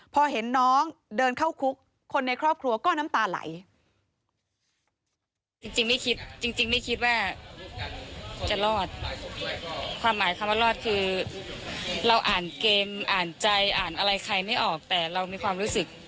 พอเห็นน้องเดินเข้าคุกคนในครอบครัวก็น้ำตาไหล